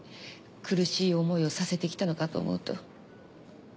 苦しい思いをさせてきたのかと思うと。